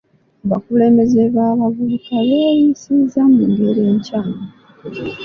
Abakulembeze b'abavubuka beeyisizza mu ngeri nkyamu.